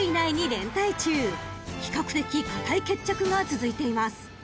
［比較的堅い決着が続いています］